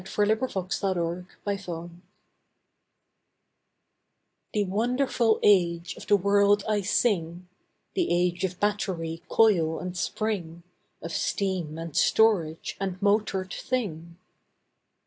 THE AGE OF MOTORED THINGS The wonderful age of the world I sing— The age of battery, coil and spring, Of steam, and storage, and motored thing.